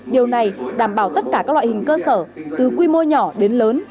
điều này đảm bảo tất cả các loại hình cơ sở từ quy mô nhỏ đến lớn